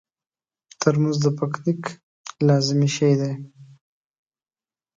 ترموز د پکنیک لازمي شی دی.